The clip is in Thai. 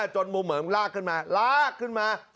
จนมุมเหิมลากขึ้นมาลากขึ้นมา